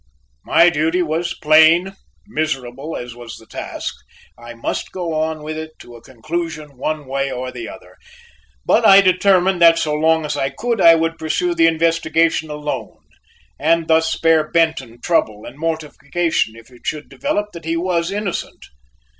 My duty was plain; miserable as was the task, I must go on with it to a conclusion one way or the other, but I determined that so long as I could, I would pursue the investigation alone, and thus spare Benton trouble and mortification if it should develop that he was innocent.